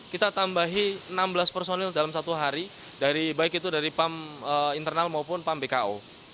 kita tambahi enam belas personil dalam satu hari baik itu dari pam internal maupun pam bko